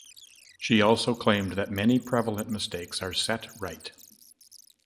She also claimed that "many prevalent mistakes are set right".